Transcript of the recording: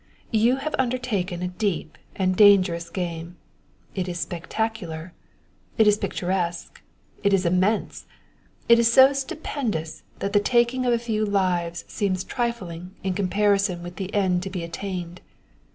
You have undertaken a deep and dangerous game it is spectacular it is picturesque it is immense! It is so stupendous that the taking of a few lives seems trifling in comparison with the end to be attained.